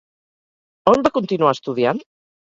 On va continuar estudiant,?